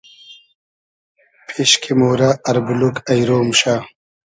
پېش کی مۉرۂ اربولوگ اݷرۉ موشۂ